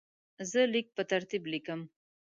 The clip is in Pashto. زه لیک په ترتیب لیکم.